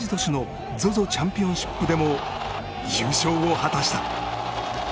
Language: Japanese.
同じ年のＺＯＺＯチャンピオンシップでも優勝を果たした。